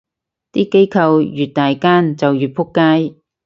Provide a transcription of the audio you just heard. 啲機構越大間就越仆街